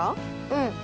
うん。